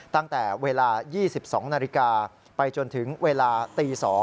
ตั้งแต่เวลา๒๒นาฬิกาไปจนถึงเวลาตี๒